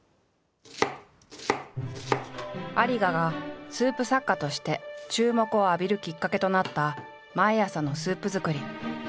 有賀がスープ作家として注目を浴びるきっかけとなった毎朝のスープ作り。